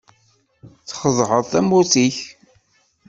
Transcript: Txedɛeḍ tamurt-ik.